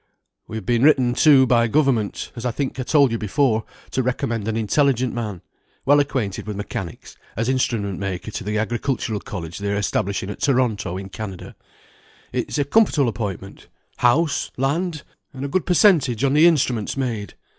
"We have been written to by government, as I think I told you before, to recommend an intelligent man, well acquainted with mechanics, as instrument maker to the Agricultural College they are establishing at Toronto, in Canada. It is a comfortable appointment, house, land, and a good per centage on the instruments made.